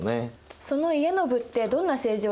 その家宣ってどんな政治をしたんですか？